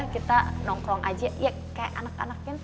kita nongkrong aja ya kayak anak anaknya tadi kita juga